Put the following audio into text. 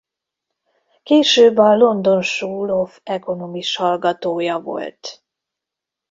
Később a London School of Economics hallgatója volt.